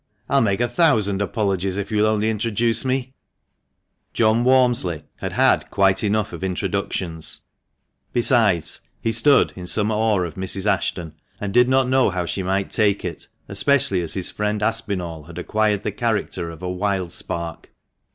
I'll make a thousand apologies, if you'll only introduce me." BY THE PORTICO STEPS. THE MANCHESTER MAN. 245 John Walmsley had had quite enough of introductions ; besides, he stood in some awe of Mrs. Ashton, and did not know how she might take it, especially as his friend Aspinall had acquired the character of a " wild spark."